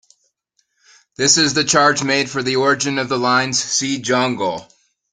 This is the charge made for the origin of the lines See Jungle!